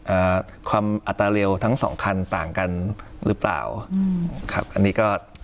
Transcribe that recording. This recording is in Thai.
อ่าความอัตราเร็วทั้งสองคันต่างกันหรือเปล่าอืมครับอันนี้ก็